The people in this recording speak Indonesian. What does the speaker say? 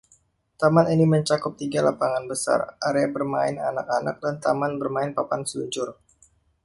Taman ini mencakup tiga lapangan besar, area bermain anak-anak dan taman bermain papan seluncur.